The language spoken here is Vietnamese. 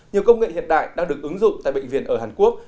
nhiều công nghệ hiện đại đang được ứng dụng tại bệnh viện ở hàn quốc